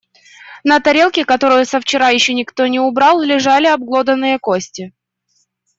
На тарелке, которую со вчера ещё никто не убрал, лежали обглоданные кости.